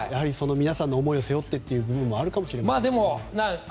皆さんの思いを背負ってという部分があるかもしれませんが。